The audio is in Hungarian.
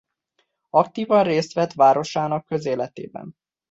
Aktívan részt vett városának közéletében.